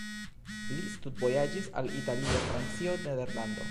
Li studvojaĝis al Italio, Francio, Nederlando.